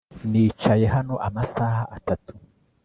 Nicaye hano amasaha atatu